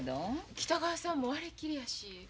北川さんもあれっきりやし。